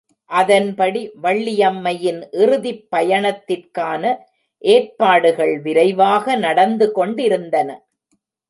அதன்படி வள்ளியம்மையின் இறுதிப் பயணத்திற்கான ஏற்பாடுகள் விரைவாக நடந்து கொண்டிருந்தன.